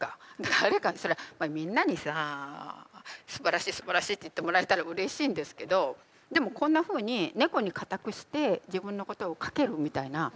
誰かにそれはみんなにさあすばらしいすばらしいって言ってもらえたらうれしいんですけどでもこんなふうに猫に仮託して自分のことを書けるみたいな。